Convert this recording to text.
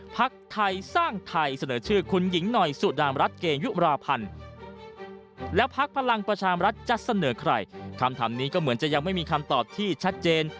พักไทยสร้างไทยเสนอชื่อคุณหญิงหน่อยสุดามรัฐเกยุราพันธ์และพักพลังประชามรัฐจะเสนอใครคำถามนี้ก็เหมือนจะยังไม่มีคำตอบที่ชัดเจน